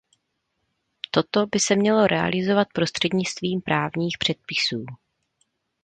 Toto by se mělo realizovat prostřednictvím právních předpisů.